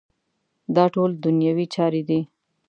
دا ټول دنیوي چارې دي.